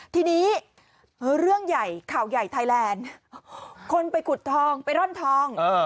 ทีนี้เรื่องใหญ่ข่าวใหญ่ไทยแลนด์คนไปขุดทองไปร่อนทอง